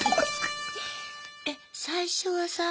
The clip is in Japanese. えっ最初はさ